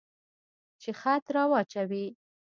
چې خط را واچوي.